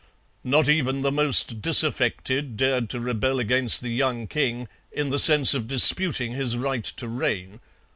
Not even the most disaffected dared to rebel against the young king in the sense of disputing his right to reign.